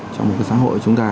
trong một cái xã hội chúng ta